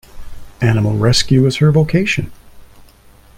Animal rescue is her vocation.